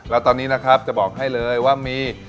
แล้วตอนนี้นะครับจะบอกให้เลยว่ามี